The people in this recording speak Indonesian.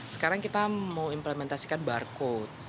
sekarang kita mau implementasikan barcode